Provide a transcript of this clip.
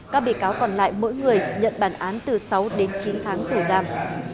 các bị cáo còn lại mỗi người nhận bản án từ sáu đến chín tháng tù giam